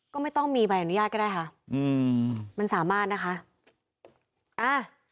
ก็ไม่ต้องมีใบอนุญาตก็ได้ค่ะอืมมันสามารถนะคะอ่า